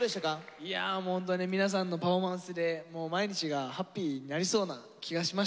いやもうホントに皆さんのパフォーマンスで毎日がハッピーになりそうな気がしました。